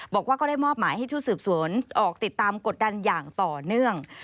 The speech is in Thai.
บอกว่าก็ได้มอบหมายให้ชุดสืบสวนออกติดตามกดดันอย่างต่อเนื่อง